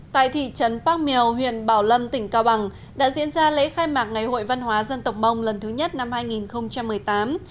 tại thị trấn bác mèo huyện bảo lâm tỉnh cao bằng đã diễn ra lễ khai mạc ngày hội văn hóa dân tộc mông lần thứ nhất năm hai nghìn một mươi tám